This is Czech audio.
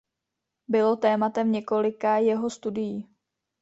Bylo tématem několika jeho studií.